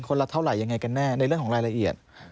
ละเท่าไหร่ยังไงกันแน่ในเรื่องของรายละเอียด